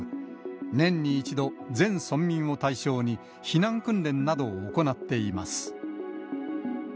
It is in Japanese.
年に１度、全村民を対象に避難訓練などを行っています。